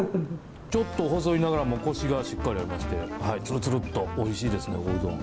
ちょっと細いながらもコシがしっかりありましてツルツルっとおいしいですねおうどん。